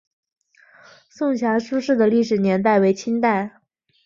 颂遐书室的历史年代为清代。